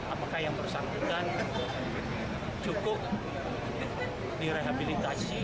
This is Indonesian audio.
apakah yang bersangkutan cukup direhabilitasi